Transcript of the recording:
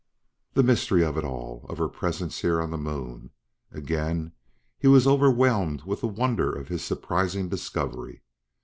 The mystery of it all! of her presence here on the Moon! Again he was overwhelmed with the wonder of his surprising discovery.